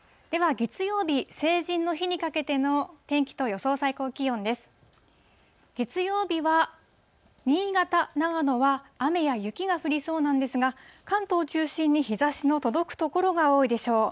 月曜日は新潟、長野は雨や雪が降りそうなんですが、関東を中心に、日ざしの届く所が多いでしょう。